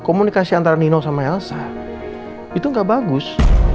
komunikasi antara nino sama elsa itu gak bagus